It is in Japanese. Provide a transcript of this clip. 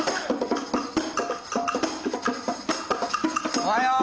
おはよう！